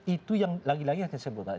itu yang lagi lagi yang saya sebutkan